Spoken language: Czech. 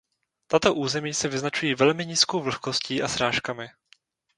Tato území se vyznačují velmi nízkou vlhkostí a srážkami.